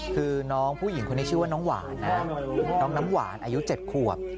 คือน้องผู้หญิงคนนี้ชื่อว่าน้องหวานนะน้องน้ำหวานอายุ๗ขวบ